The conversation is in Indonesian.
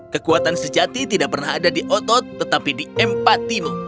kekuatan sejati tidak pernah ada di otot tetapi di empatimu